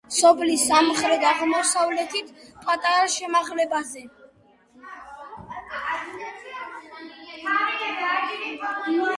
სოფლის სამხრეთ-აღმოსავლეთით, პატარა შემაღლებაზე.